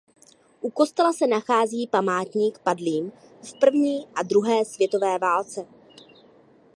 U kostela se nachází památník padlým v první a druhé světové válce.